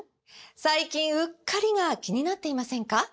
最近うっかりが気になっていませんか？